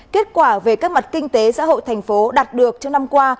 kết quả về các mặt kinh tế xã hội tp hcm đạt được trong năm qua